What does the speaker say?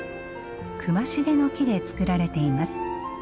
クマシデの木で作られています。